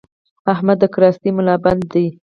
احمد د کراستې ملابند دی؛